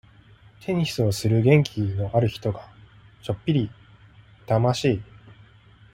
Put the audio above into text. テニスをする元気のある人が、ちょっぴり妬ましい。